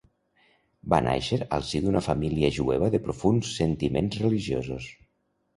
Va nàixer al si d'una família jueva de profunds sentiments religiosos.